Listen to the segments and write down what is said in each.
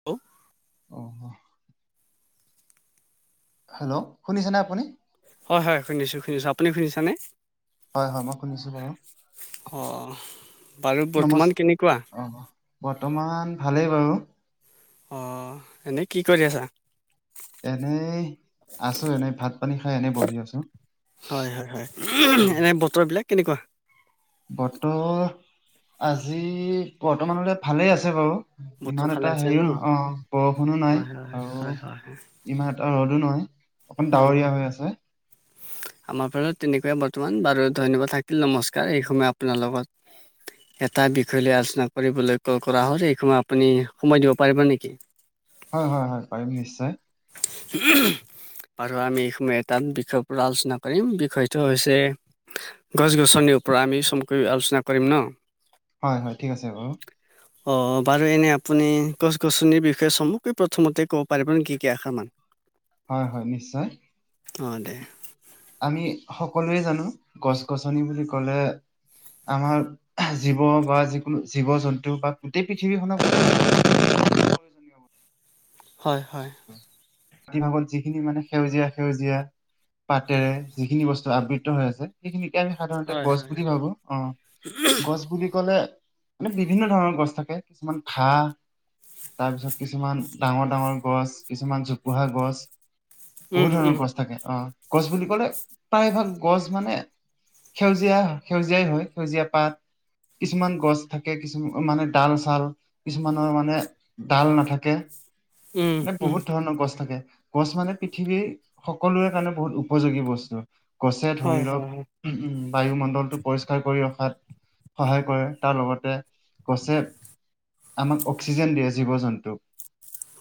[inaudible] অ', hello, শুনিছেনে আপুনি? হয়, হয়, শুনিছো, শুনিছো। আপুনি শুনিছানে? হয়, হয়, মই শুনিছো বাৰু। অ, বাৰু নমস্ বৰ্তমান কেনেকুৱা? অ', বৰ্তমান ভালেই, বাৰু। অ, এনেই কি কৰি আছা? এনেই আছো, এনে ভাত-পানী খাই এনেই বহি আছো। হয়, হয়, হয়, এনে বতৰ বিলাক কেনেকুৱা? বতৰ আজি, বৰ্তমানলৈ ভালেই আছে বাৰু। বতৰ ইমান ভালে এটা আছে ন হেৰিও নহয়, বৰষুণো নাই। হয় হয় অ, হয় হয় হয়। ইমান এটা ৰ'দো নাই। উম, [inaudible] আমাৰ ফালেও তেনেকুৱাই বৰ্তমান বাৰু ধন্যবাদ থাকিল, নমস্কাৰ এই সময় আপোনাৰ লগত। এটা বিষয় লৈ আলোচনা কৰিবলৈ ক'ল কৰা হ'ল, এই সময় আপুনি সময় দিব পাৰিব নেকি? হয়, হয়, হয় পাৰিম নিশ্চয়। [unintelligible] বাৰু আমি এই সময় এটা বিষয়ৰ পৰা আলোচনা কৰিম বিষয়টো হৈছে গছ-গছনিৰ ওপৰত আমি চমুকৈ আলোচনা কৰিম ন, হয়, হয় ঠিক আছে বাৰু। অ, বাৰু এনে আপুনি গছ-গছনিৰ বিষয়ে চমুকৈ প্ৰথমতে ক'ব পাৰিব নেকি? কেইআখৰমান। হয়, হয়, নিশ্চয়। অ, দে। আমি সকলোৱে জানো গছ-গছনি বুলি ক'লে আমাৰ জীৱ বা যিকোনো জীৱ-জন্তু বা গোটেই পৃথিৱীখনক হয় হ মাতি ভাগত যিখিনি মানে সেউজীয়া সেউজীয়া পাতেৰে যিখিনি বস্তু আবৃত হৈ আছে সেইখিনিকে আমি সাধাৰণতে হয়, গছ হয়, হয়। বুলি ভাবো অ গছ বুলি ক'লে মানে বিভিন্ন ধৰণৰ গছ থাকে কিছুমান ঘাঁহ, তাৰপিছত কিছুমান ডাঙৰ ডাঙৰ গছ কিছুমান জোপোহা গছ, উম, বহুত ধৰণৰ উম, গছ থাকে অ। গছ বুলি ক'লে প্ৰায়ভাগ গছ মানে সেউজীয়া সেউজীয়াই হয় সেউজীয়া পাত কিছুমান গছ থাকে কিছু মামে মানে ডাল-চাল কিছুমানৰ মানে ডাল নেথাকে উম, মানে উম, বহুত ধৰণৰ গছ থাকে গছমানে পৃথিৱীৰ সকলোৰে কাৰণে বহুত উপযোগী বস্তু গছে হয়, ধৰি লওক হয়, বায়ুমণ্ডলটো পৰিষ্কাৰ কৰি ৰখাত সহায় কৰে তাৰ লগতে গছে আমাক অক্সিজেন দিয়ে জীৱ-জন্তুক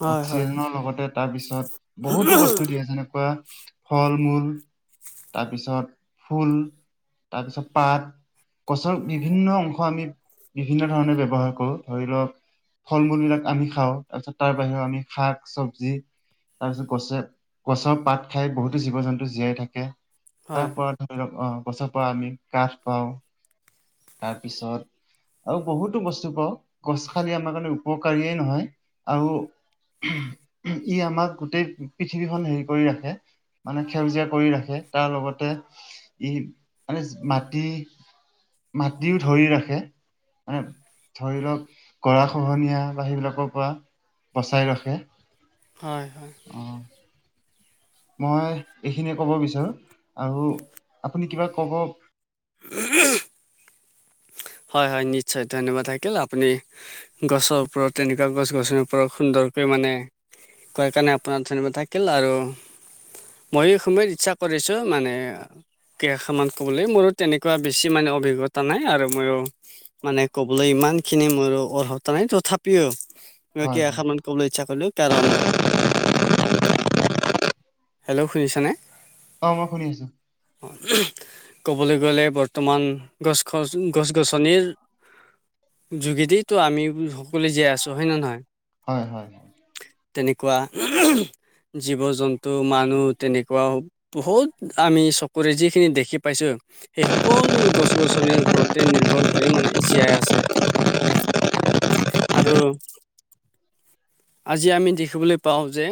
হয়, হয়, হয়। অক্সিজেনৰ লগতে তাৰ পিছত বহুতো হয়, বস্তু দিয়ে যেনেকুৱা ফল-মূল তাৰপিছত ফুল, তাৰপিছত পাত গছৰ বিভিন্ন অংশ আমি বিভিন্ন ধৰণে ব্যৱহাৰ কৰোঁ ধৰি লওক ফল-মূল বিলাক আমি খাওঁ তাৰপিছত তাৰ বাহিৰেও আমি শাক চবজি তাৰ পিছত গছে গছৰ পাত খাই বহুতো জীৱ- জন্তু জীয়াই থাকে হয়, তাৰপৰত ধৰি লওক অ গছৰ পৰা আমি কাঠ পাওঁ তাৰপিছত আৰু বহুতো বস্তু পাওঁ গছ খালি আমাৰ কাৰণে উপকাৰীয়েই নহয় আৰু ই আমাক গোটেই পৃথিৱীখন হেৰি কৰি ৰাখে। মানে সেউজীয়া কৰি ৰাখে তাৰ লগতে ই মানে মাটি মাটিও ধৰি ৰাখে। মানে ধৰি লওঁক গৰাখহনীয়া বা সেইবিলাকৰ পৰা বচাই ৰাখ খে হয় হয় অঁ মই এইখিনিয়ে ক'ব বিচাৰো আৰু আপুনি কিবা ক'ব? [unintelligible] হয় হয় নিশ্চয় ধন্যবাদ থাকিল আপুনি গছৰ ওপৰত তেনেকুৱা গছ-গছনিৰ ওপৰত সুন্দৰকে মানে কোৱা কাৰণে আপোনাক ধন্যবাদ থাকিল আৰু মই এই সময়ত ইচ্ছা কৰিছো মানে কেখামান ক'বলে মোৰো তেনেকুৱা বেছি মানে অভিজ্ঞতা নাই আৰু মইও মানে ক'বলৈ ইমানখিনি মোৰো অৰ্হতা নাই, তথাপিও হয় হয় কেইখামান কবলে ইচ্ছা কৰিলো কাৰণ হেল্ল' শুনিছানে? অঁ মই শুনি আছোঁ ক'বলে গ'লে বৰ্তমান গছ খছ উম গছ-গছনিৰ যোগেদিতো আমি সকলোৱে জীয়াই আছো হয়নে নহয় হয় হয়। হয় তেনেকুৱা জীৱ-জন্তু মানুহ তেনেকুৱাও বহুত আমি চকুৰে যিখিনি দেখি পাইছো সেই সকলো গছ-গছনিৰ ওপৰত তে নিৰ্ভত কৰি মানে জীয়াই আছে আৰু আজি আমি দেখিবলৈ পাওঁ যে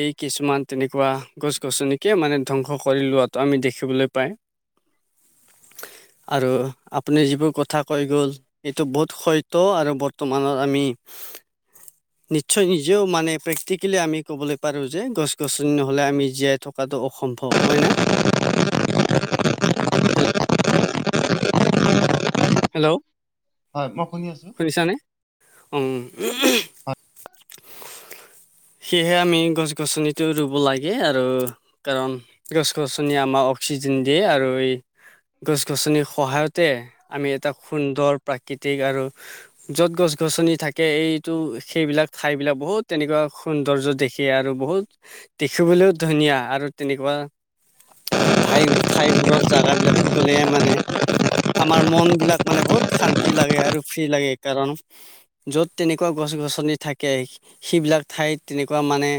এই কিছুমান তেনেকোৱা গছ গছনিকে মানে ধ্বংস কৰি লোৱাতো আমি দেখিবলৈ পায় [inaudible] আৰু আপুনি যিবোৰ কথা কৈ গ'ল, সেইটো বহুত হয়তো আৰু বৰ্তমানৰ আমি নিশ্চয় নিজেও মানে প্ৰেক্টিকেলি আমি ক'বলৈ পাৰো যে গছ গছনি নহলে আমি জীয়াই থ কাটো অসম্ভৱ, হয় নে? [unintelligible] হেল- হেল্ল' হয়, মই শুনি আছো। শুনিছানে উম' সেয়েহে আমি গছ গছনিতো ৰুব লাগে আৰু কাৰণ গছ গছনিয়ে আমাক অক্সিজেন দিয়ে আৰু এই গছ গছনিৰ সহায়তে আমি এটা সুন্দৰ প্ৰাকৃতিক আৰু য'ত গছ গছনি থাকে এইটো সেইবিলাক ঠাই বিলাক বহুত এনেকোৱা সৌন্দৰ্য্য দেখি আৰু বহুত দেখিবলৈও ধুনীয়া আৰু তেনেকোৱা ধাই-ঠাইবোৰত জাগা বিলাকত গ'লে মানে আমাৰ মন বিলাক মানে বহুত শান্তি লাগে আৰু ফ্ৰী লাগে, কাৰণ য'ত তেনেকোৱা গছ গছনি থাকে, সেইবিলাক ঠাইত তেনেকোৱা মানে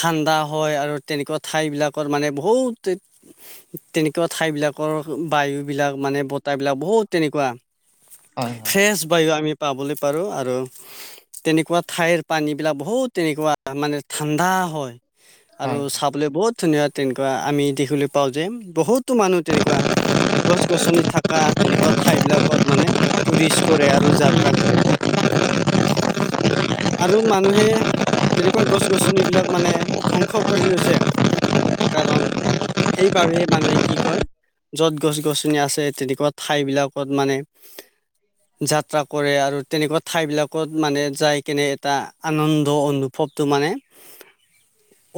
ঠাণ্ডা হয়, আৰু তেনেকোৱা ঠাই বিলাকৰ মানে বহুত তেনেকোৱা ঠাইবিলাকৰ বায়ুবিলাক মানে বতাহবিলাক বহুত তেনেকোৱা হয়, হয়। ফ্ৰেছ বায়ু আমি পাবলৈ পাৰো আৰু তেনেকোৱা ঠাইৰ পানীবিলাক ব বহুত তেনেকোৱা মানে ঠাণ্ডা হয় আৰু হয় চাব লে বহুত ধুনীয়া তেনেকোৱা আমি দেখিবলৈ পাও যে বহুতো মানুহ তেনেকোৱা গছ গছনি থকা তেনেকোৱা ঠাই বিলাকত মানে টুৰিষ্ট কৰে আৰু যাত্ৰা কৰে। [unintelligible] আৰু মানুহে তেনেকৈ গছ গছনিবলাক মানে ধ্বংস কৰি লৈছে কাৰণ সেইবাবে মানুহে কি কয় য'ত গছ গছনি আছে তেনেকোৱা ঠাইবিলাকত মানে যাত্ৰা কৰে আৰু তেনেকোৱা ঠাইবিলাকত মানে যাই কেনে এটা আন ন্দ অনুভৱতো মানে,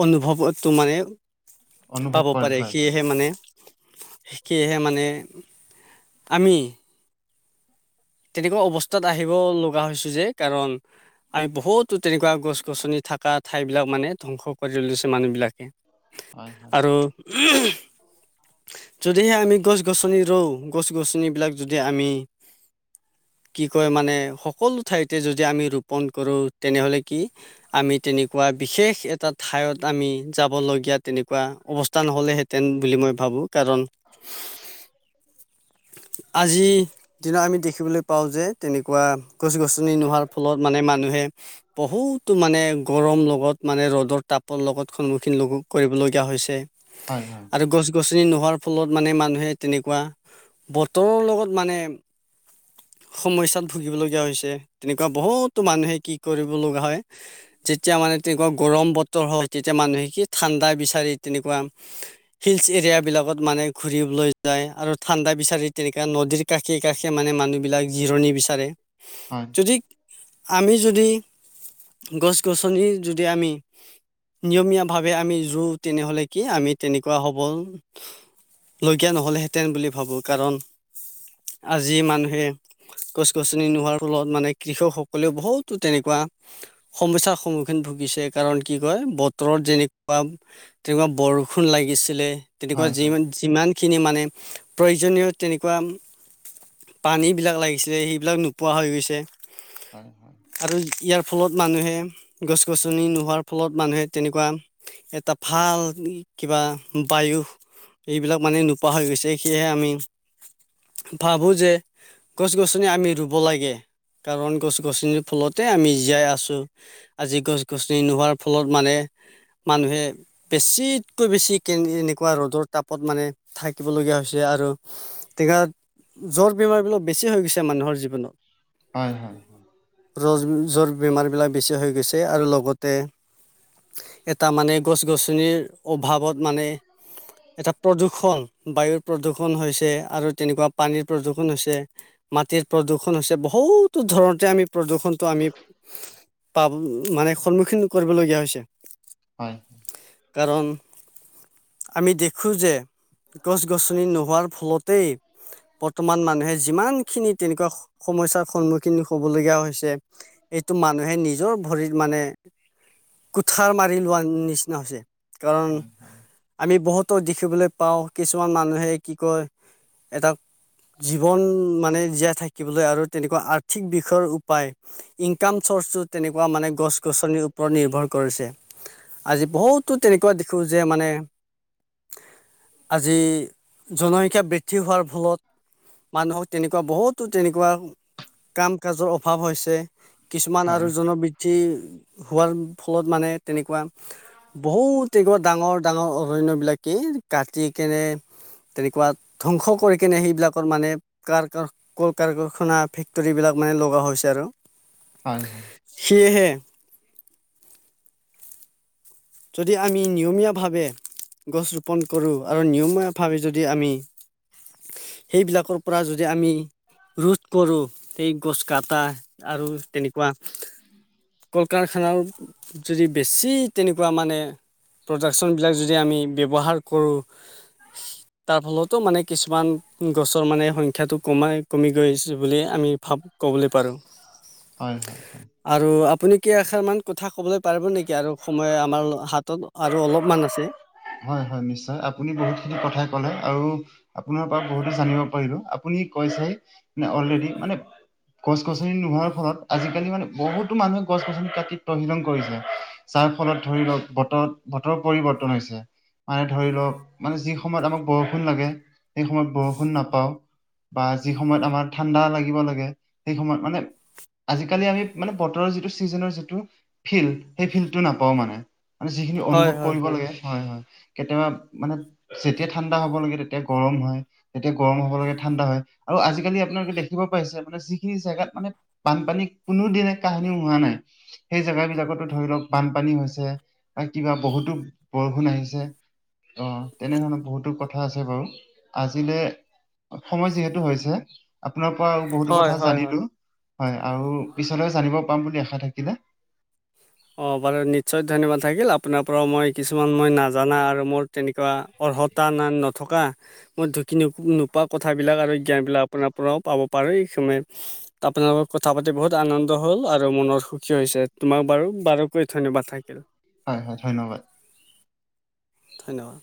অনুভৱতো মানে অনুভৱ পাব কৰে পাৰে, হয় হয় সেয়েহে মানে সেয়েহে মানে আমি তেনেকোৱা অৱস্থাত আহিব লগা হৈছো যে কাৰণ আমি বহুতো তেনেকোৱা গছ গছনি থকা ঠাই বিলাক মানে ধ্বংস কৰি লৈছে মানুহ বিলাকে। হয় হয় আৰু ওমহ যদিহে আমি গছ গছনি ৰুও, গছ গছনিবিলাক যদি আমি কি কয় মানে সকলো ঠাইতে যদি আমি ৰোপণ কৰো তেনেহ'লে কি আমি তেনেকোৱা বিশেষ এটা ঠাইত আমি যাবলগীয়া তেনেকোৱা অৱস্থা নহলেহেঁতেন বুলি মই ভাবো। কাৰণ, আজি দিনা আমি দে খিবলৈ পাওঁ যে তেনেকোৱা গছ গছনি নোহোৱাৰ ফলত মানে মানুহে বহুতো মানে গৰম লগত মানে ৰ'দৰ তাপৰ লগত সন্মুখীন লগো কৰিব লগীয়া হৈছে। হয়', হয়। আৰু গছ-গছনি নোহোৱাৰ ফলত মানে মানুহে তেনেকুৱা, বতৰৰ লগত মানে সমস্যাত ভুগিবলগীয়া হৈছে, তেনেকুৱা বহুত তো মানুহে কি কৰিব লগা হয়, যেতিয়া মানে তেনেকুৱা গৰম বত ৰ হয়, তেতিয়া মানুহে কি ঠাণ্ডা বিচাৰি তেনেকুৱা হিলচ এৰিয়া বিলাকত মানে ঘূৰিবলৈ যায়, আৰু ঠাণ্ডা বিচাৰি তেনেকা নদীৰ কাষে-কাষে এ মানে মানুহবিলাক জিৰণি বিচাৰে। হয়। ঠিক, আমি যদি, গছ-গছনি যদি আমি নিয়মীয়াভাৱে আমি যো তেনেহ'লে কি আমি তেনেকুৱা হ'ব। লগীয়া নহ'লে হেঁতেন বুলি ভাবোঁ কাৰণ আজি মানুহে। গছ-গছনি নোহোৱাৰ ফলত মানে কৃষকসকলেও বহুতো তেনেকুৱা- সমস্যাৰ সন্মুখীন ভুগিছে কাৰণ কি কয় বতৰত যেনেকুৱা তেনেকুৱা বৰষুণ লাগিছিলে। তেনেকুৱা হয় হয় হয় যিমান যিমানখিনি মানে, প্ৰয়োজনীয় তেনেকুৱা পানীবিলাক লাগিছিলে সেইবিলাক নোপোৱা হৈ গৈছে। হয়। আৰু ইয়াৰ ফলত মানুহে, গছ-গছনি নোহোৱাৰ ফলত মানুহে তেনেকুৱা। এটা ভাল কিবা বায়ু। এইবিলাক মানে নোপোৱা হৈ গৈছে সেয়েহে আমি। ভাবো যে, গছ-গছনি আমি ৰুব লাগে, কাৰণ গছ-গছনিৰ ফলতে আমি জীয়াই আছোঁ। আজি গছ-গছনি নোহোৱাৰ ফলত মানে, মানুহে বেছিতকৈ বেছি কে এনেকুৱা ৰ'দৰ তাপত মানে থাকিব লগীয়া হৈছে আৰু। তেনেকা, জ্বৰ বেমাৰবিলাক বেছি হৈ গৈছে মানুহৰ জীৱনত। হয় হয়। ৰজ-জ্বৰ বেমাৰবিলাক বেছি হৈ গৈছে আৰু লগতে, এটা মানে গছ-গছনিৰ অভাৱত মানে। এটা প্ৰদূৰ্ষণ বায়ুৰ প্ৰদূৰ্ষণ হৈছে আৰু তেনেকুৱা পানীৰ প্ৰদূৰ্ষণ হৈছে। মাটিৰ প্ৰদূষণ হৈছে বহুতো ধৰণতে আমি প্ৰদূৰষণটো আমি পাব মানে সন্মুখীন কৰিব লগীয়া হৈছে। হয়। কাৰণ, আমি দেখোঁ যে, গছ-গছনি নোহোৱাত ফলতেই বৰ্তমান মানুহে যিমান খিনি তেনেকুৱা সমস্যাৰ সন্মুখীন হবলগীয়া হৈছে। এইটো মানুহে নিজৰ ভৰিত মানে, কুঠাৰ মাৰি লোৱাৰ নিচিনা হৈছে। কাৰণ হয় আমি বহুতো দেখিবলৈ পাওঁ কিছুমান মানুহে কি কয় এটা, জীৱন মানে জীয়াই থাকিবলৈ আৰু তেনেকুৱা আৰ্থিক বিষয়ৰ ৰূপ পায়। ইনকাম চৰ্চটো তেনেকুৱা মানে গছ-গছনিৰ ওপৰত নিৰ্ভৰ কৰিছে। আজি বহুতো তেনেকুৱা দেখোঁ যে মানে আজি, জনসংখ্যা বৃদ্ধি হোৱাৰ ফলত, মানুহৰ তেনেকুৱা বহুতো তেনেকুৱা, কাম-কাজৰ অভাৱ হৈছে, কিছুমান হয় আৰু জনবৃ দ্ধি, হোৱাৰ ফলত মানে তেনেকুৱা। বহুত এনেকুৱা ডাঙৰ ডাঙৰ অৰণ্যবিলাকে কাটি কেনে তেনেকুৱা ধ্বংস কৰি কেনে সেইবিলাকৰ মানে কাৰ কাৰ কল-কাৰখানা ফে ফেক্টৰীবিলাক মানে লগা হৈছে আৰু। হয় হয় সেয়েহে যদি আমি নিয়মীয়াভাৱে গছ ৰোপন কৰোঁ আৰু নিয়মীয়াভাৱে যদি আমি সেইবিলাকৰ পৰা যদি আমি ৰোধ কৰোঁ সেই গছ কাটা। আৰু তেনেকুৱা কল-কাৰখানা যদি বেছি তেনেকুৱা তাৰমানে প্ৰডাকশ্যনবিলাক যদি আমি ব্যৱহাৰ কৰোঁ। তাৰ ফলতো মানে কিছুমান গছৰ মানে সংখ্যাটো কমায় কমি গৈছে বুলি আমি ভাৱ আমি ক'বলৈ পাৰো। হয় হয় আৰু আপুনি কেই আষাৰ মান কথা কবলৈ পাৰিব নেকি আৰু সময় আমাৰ হাতত আৰু অলপমান আছে। হয়, হয় নিশ্চয় আপুনি বহুতখিনি কথাই ক'লে আৰু আপোনাৰ পৰা বহুতো জানিব পাৰিলো। আপুনি কৈছেয়ে অলৰেদি মানে গছ গছনি নোহোৱাৰ ফলত আজিকালি মানে বহুতো মানুহে গছ গছনি কাটি তহিলং কৰিছে। যাৰফলত ধৰি লওক বতৰত, বতৰৰ পৰিৱৰ্তন হৈছে। মানে ধৰি লওক, মানে যি সময়ত আমাক বৰষুণ লাগে সেই সময়ত বৰষুণ নাপাওঁ। বা যি সময়ত আমাৰ ঠাণ্ডা লাগিব লাগে সেই সময়ত মানে আজিকালি আমি মানে বতৰৰ যিটো ছিজনৰ যিটো ফিল্ড সেই ফিল্ডটো নাপাওঁ মানে। মানে যিখিনি হয় অনুভৱ হয় কৰিব লাগে হয় হয় কেতিয়াবা মানে যেতিয়া ঠাণ্ডা হ'ব লাগে তেতিয়া গৰম হয়। তেতিয়া গৰম হ'ব লাগে ঠাণ্ডা হয় আৰু আজিকালি আপোনালোকে দেখিব পাইছে আপোনে যিখিনি জেগাত মানে বানপানী কোনোদিনে কাহিনীও হোৱা নাই সেইজেগা বিলাকতো ধৰি লওক বানপানী হৈছে বা কিবা বহুতো বৰষুণ আহিছে। অ' তেনে ধৰণৰ বহুতো কথা আছে বাৰু আজিলে সময় যিহেতু হৈছে আপোনাৰ পৰা বহুতো হয় কথা হয় জানিলো হয় হয় আৰু পিছলৈ জানিব পাম বুলি আশা থাকিলে অ' বাৰু নিশ্চয় ধন্যবাদ থাকিল আপোনাৰ পৰা মই কিছুমান মই নাজানা আৰু মোৰ তেনেকুৱা অৰ্হতা ন নথকা মই ঢুকি নোপোৱা কথাবিলাক আৰু জ্ঞানবিলাক আপোনাৰ পৰাও পাব পাৰোঁ এইসময় আপোনাৰ লগত কথা পাতি বহুত আনন্দ হ'ল আৰু মনৰ সুখী হৈছে, তোমাক বাৰু বাৰুকৈ ধন্যবাদ থাকিল। হয়, হয় ধন্যবাদ। ধন্যবাদ।